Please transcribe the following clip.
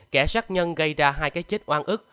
kẻ sát nhân gây ra hai cái chết oan ức